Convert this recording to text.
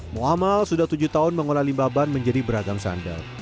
muamal sudah tujuh tahun mengolah limbah ban menjadi beragam sandal